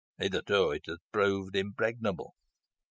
Hitherto it has proved impregnable.